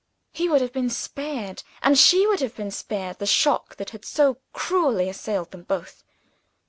He would have been spared, and she would have been spared, the shock that had so cruelly assailed them both.